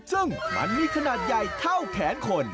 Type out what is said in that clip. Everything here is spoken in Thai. ซึ่งมันมีขนาดใหญ่เท่าแขนคน